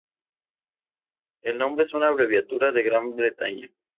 El nombre es una abreviatura de Gran Bretaña.